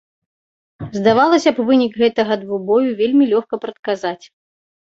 Здавалася б, вынік гэтага двубою вельмі лёгка прадказаць.